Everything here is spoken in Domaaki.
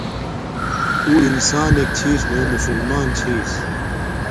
اُݸ انسانݵک چھݵس نݸ مسلمݳن چھݵس.